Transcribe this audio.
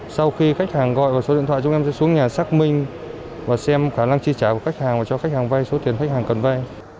sau khi khách hàng gọi vào số điện thoại chúng em sẽ xuống nhà xác minh và xem khả năng chi trả của khách hàng và cho khách hàng vay số tiền khách hàng cần vay